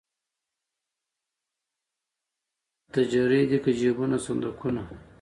تجرۍ دي که جېبونه صندوقونه